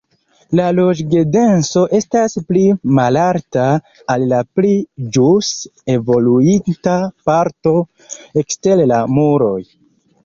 La loĝdenso estas pli malalta en la pli ĵuse evoluinta parto ekster la muroj.